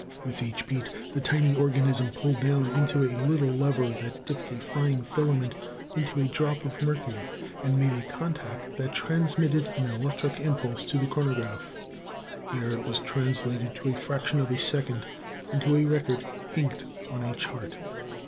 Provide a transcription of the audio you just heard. With each beat the tiny organism pulled down a little lever that dipped a fine filament into a drop of mercury and made a contact that transmitted an electric impulse to the chronograph. There it was translated to a fraction of a second into a record inked on a chart.